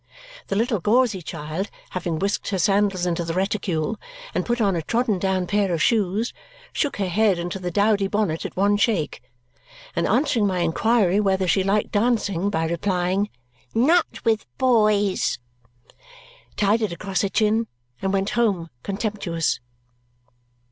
The little gauzy child, having whisked her sandals into the reticule and put on a trodden down pair of shoes, shook her head into the dowdy bonnet at one shake, and answering my inquiry whether she liked dancing by replying, "Not with boys," tied it across her chin, and went home contemptuous.